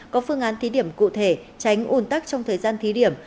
có phương án thí điểm cụ thể tránh ủn tắc trong thời gian thí điểm